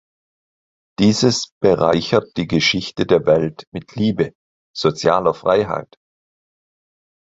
Dieses bereichert die Geschichte der Welt mit Liebe, sozialer Freiheit.